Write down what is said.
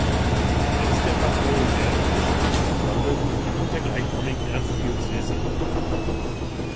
Er ist der Patron der irischen Hauptstadt Dublin und der gleichnamigen Erzdiözese.